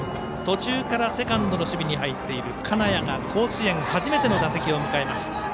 途中からセカンドの守備に入っている銅屋が甲子園初めての打席を迎えます。